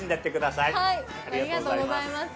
ありがとうございます。